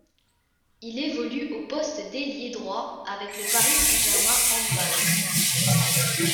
Il évolue au poste d'ailier droit avec le Paris Saint-Germain Handball.